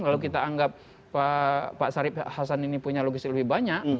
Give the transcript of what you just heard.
kalau kita anggap pak sarip hasan ini punya logistik lebih banyak